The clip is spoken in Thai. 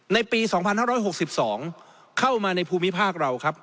ในปี๒๕๖๒เข้ามาในภูมิภาคเราครับ